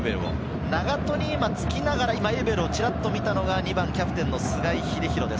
永戸につきながら、エウベルをチラっと見たのが２番、キャプテンの須貝です。